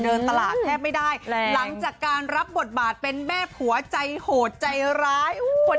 เดินตลาดแทบไม่ได้หลังจากการรับบทบาทเป็นแม่ผัวใจโหดใจร้าย